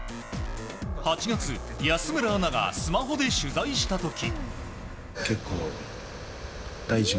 ８月、安村アナがスマホで取材した時。